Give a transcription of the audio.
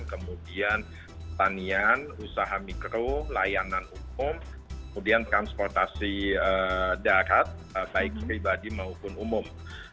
kemudian pertanian usaha mikro layanan umum kemudian transportasi darat baik pribadi maupun umum